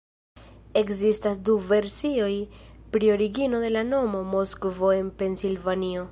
Ekzistas du versioj pri origino de la nomo Moskvo en Pensilvanio.